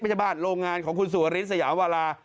ไม่ใช่บ้านโรงงานของคุณสู่ฮฤษฐ์สยามวารา